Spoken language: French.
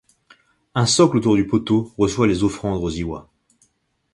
Un socle autour du poteau reçoit les offrandes aux lwas.